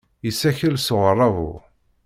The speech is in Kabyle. Yessakel s uɣerrabu.